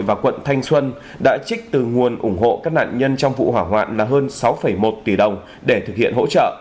và quận thanh xuân đã trích từ nguồn ủng hộ các nạn nhân trong vụ hỏa hoạn là hơn sáu một tỷ đồng để thực hiện hỗ trợ